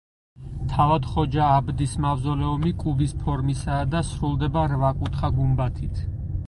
თავად ხოჯა აბდის მავზოლეუმი კუბის ფორმისაა და სრულდება რვაკუთხა გუმბათით.